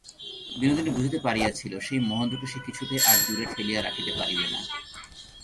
বিনোদিনী বুঝিতে পারিয়াছিল, সেই মহেন্দ্রকে সে কিছুতেই আর দূরে ঠেলিয়া রাখিতে পারিবে না।